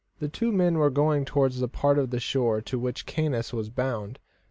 The two men were going towards that part of the shore to which Caius was bound.